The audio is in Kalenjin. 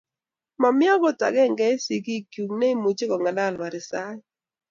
Mami akot akenge eng' sigikchul neimuchi kong'alal Paransaek.